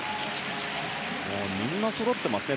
みんなそろっていますね。